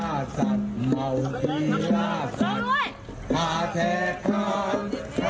กาแท้คานกาแท้คาน